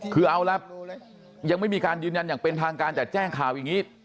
คือเอาละยังไม่มีการยืนยันอย่างเป็นทางการแต่แจ้งข่าวอย่างนี้